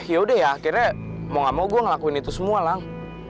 ya udah ya akhirnya mau gak mau gue ngelakuin itu semua lang